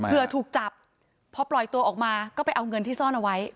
เพื่อถูกจับพอปล่อยตัวออกมาก็ไปเอาเงินที่ซ่อนเอาไว้